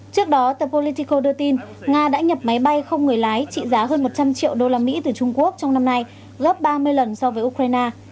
trước đó the politico đưa tin nga đã nhập máy bay không người lái trị giá hơn một trăm linh triệu đô la mỹ từ trung quốc trong năm nay gấp ba mươi lần so với ukraine